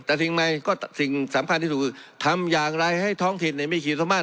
แต่สิ่งสำคัญที่สุดคือทำอย่างไรให้ท้องถิ่นมีคิดมาก